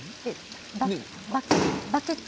バケツ？